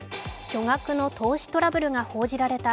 巨額の投資トラブルが報じられた